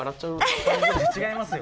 違いますよ。